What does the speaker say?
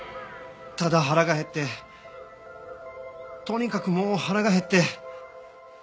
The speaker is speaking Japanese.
ただ腹が減ってとにかくもう腹が減って。